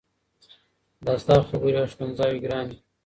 دا ستا خبري او ښكنځاوي ګراني!